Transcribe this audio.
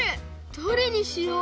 どれにしよう！？